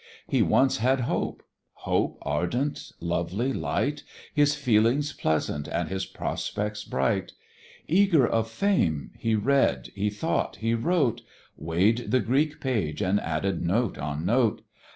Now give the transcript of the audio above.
He once had hope Hope, ardent, lively, light; His feelings pleasant, and his prospects bright: Eager of fame, he read, he thought, he wrote, Weigh'd the Greek page, and added note on note.